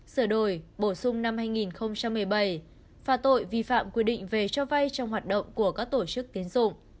sửa đổi bổ sung năm hai nghìn một mươi bảy pha tội vi phạm quy định về cho vay trong hoạt động của các tổ chức tiến dụng